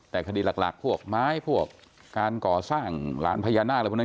แต่คดีหลักพวกไม้พวกการก่อสร้างหลานพญานาคอะไรพวกนั้น